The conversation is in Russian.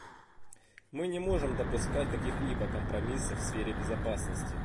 Мы не можем допускать каких-либо компромиссов в сфере безопасности.